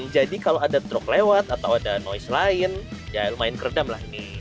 jadi kalau ada drog lewat atau ada noise lain ya lumayan keredam lah ini